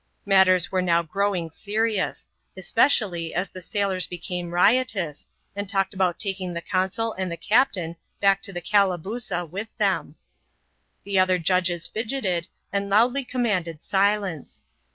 Matters were now growing serious ; especially as the saSkn became riotous, and talked about taking the consul and the cap tain back to the Calabooza with them. The other judges fidgeted, and loudly commanded silence.